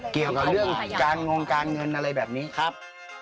เกี่ยวกับเรื่องการงงการเงินอะไรแบบนี้ครับ